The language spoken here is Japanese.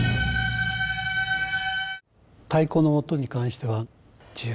太鼓の音に関しては。